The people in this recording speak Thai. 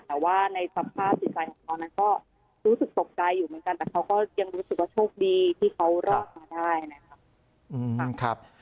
แต่ว่าในสภาพจิตใจของเขานั้นก็รู้สึกตกใจอยู่เหมือนกันแต่เขาก็ยังรู้สึกว่าโชคดีที่เขารอดมาได้นะครับ